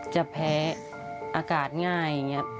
จะแพ้อากาศง่ายอย่างนี้